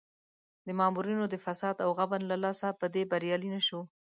د مامورینو د فساد او غبن له لاسه په دې بریالی نه شو.